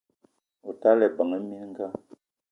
O tala ebeng minga